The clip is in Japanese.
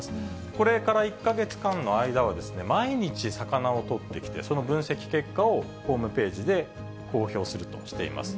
これから１か月間の間は、毎日魚を取ってきて、その分析結果をホームページで公表するとしています。